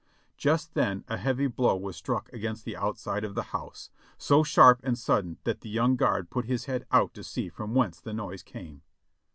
Just then a heavy blow was struck against the outside of the house, so sharp and sudden that the young guard put his head out to see from whence the noise came.